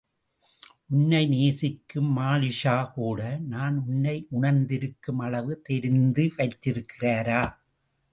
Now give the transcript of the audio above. உன்னை நேசிக்கும் மாலிக்ஷா கூட நான் உன்னை உணர்ந்திருக்கும் அளவு தெரிந்து வைத்திருக்கிறாரா?